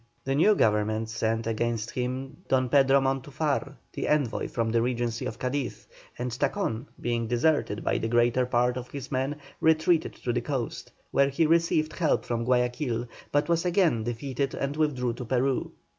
The new Government sent against him Don Pedro Montufar, the envoy from the Regency of Cadiz, and Tacon, being deserted by the greater part of his men, retreated to the coast, where he received help from Guayaquil, but was again defeated and withdrew to Peru.